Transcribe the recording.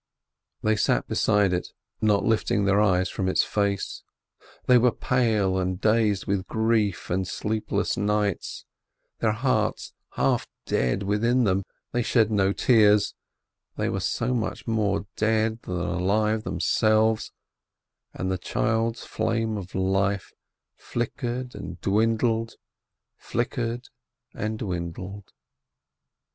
They sat beside it, not lifting their eyes from its face. They were pale and dazed with grief and sleep less nights, their hearts half dead within them, they shed no tears, they were so much more dead than alive themselves, and the child's flame of life flickered and dwindled, flickered and dwindled.